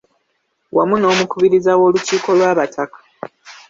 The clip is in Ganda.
Wamu n’omukubiriza w’olukiiko lw’abataka.